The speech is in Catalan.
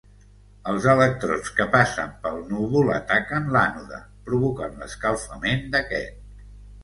Els electrons que passen pel núvol ataquen l'ànode, provocant l'escalfament d'aquest.